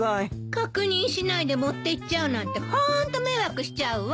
確認しないで持っていっちゃうなんてホント迷惑しちゃうわ。